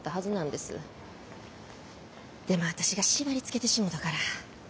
でも私が縛りつけてしもたから。